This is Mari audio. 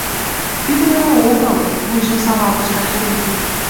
— Тиде веле огыл, — вуйжым савалтыш Качырий.